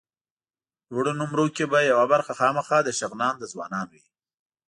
لوړو نومرو کې به یوه برخه خامخا د شغنان د ځوانانو وي.